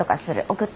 送って。